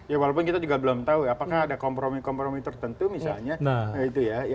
ya walaupun kita juga belum tahu apakah ada kompromi kompromi tertentu misalnya